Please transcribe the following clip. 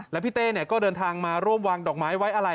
แล้วพี่เต้ก็เดินทางมาร่วมวางดอกไม้ไว้อะไร